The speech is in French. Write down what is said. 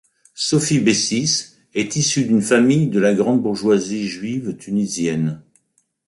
Sophie Bessis est issue d'une famille de la grande bourgeoisie juive tunisienne.